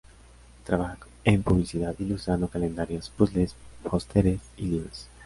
Trabaja en publicidad, ilustrando calendarios, puzzles, pósteres y libros.